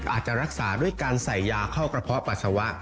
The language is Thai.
อาจจะรักษาด้วยการใส่ยาเข้ากระเพาะปัสสาวะ